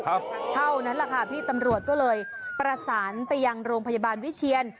เท่านั้นแหละค่ะพี่ตำรวจก็เลยประสานไปยังโรงพยาบาลวิเชียน